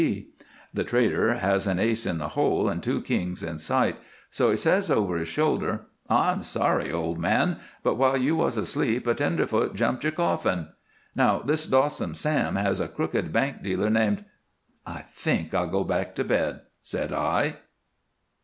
b.' The trader has an ace in the hole and two kings in sight, so he says over his shoulder: "'I'm sorry, old man, but while you was asleep a tenderfoot jumped your coffin.' Now, this Dawson Sam has a crooked bank dealer named " "I think I'll go back to bed," said I.